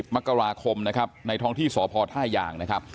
มกราคมนะครับในท้องที่สพท่ายางนะครับ